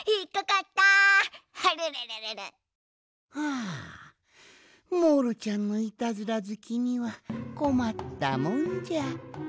あモールちゃんのイタズラずきにはこまったもんじゃ。